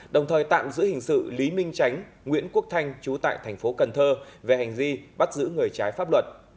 đồng thời tạm giữ hình sự lý minh tránh nguyễn quốc thanh chú tại thành phố cần thơ về hành vi bắt giữ người trái pháp luật